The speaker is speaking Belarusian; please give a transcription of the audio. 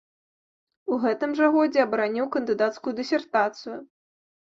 У гэтым жа годзе абараніў кандыдацкую дысертацыю.